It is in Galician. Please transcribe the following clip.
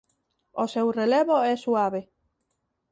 O seu relevo é suave.